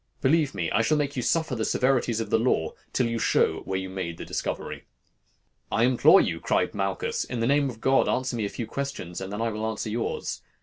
Believe me, I shall make you suffer the severities of the law till you show where you made the discovery.' "'I implore you,' cried Malchus, 'in the name of God, answer me a few questions, and then I will answer yours.